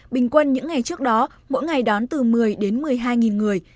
bình quân những ngày trước đó mỗi ngày đón từ một mươi đến một mươi hai người